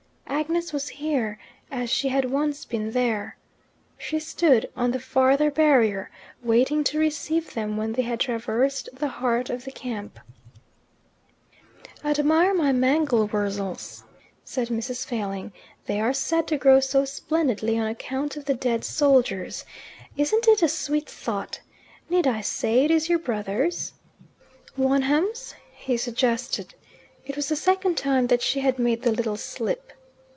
Agnes was here, as she had once been there. She stood on the farther barrier, waiting to receive them when they had traversed the heart of the camp. "Admire my mangel wurzels," said Mrs. Failing. "They are said to grow so splendidly on account of the dead soldiers. Isn't it a sweet thought? Need I say it is your brother's?" "Wonham's?" he suggested. It was the second time that she had made the little slip.